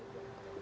kalau ini tuh